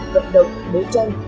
cập động đối tranh